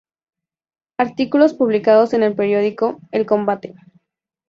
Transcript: Artículos publicados en el periódico El Combate".